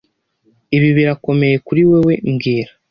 Ibi birakomeye kuri wewe mbwira